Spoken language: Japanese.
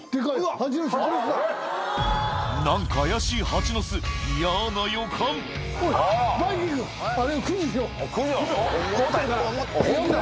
何か怪しいハチの巣嫌な予感本気だ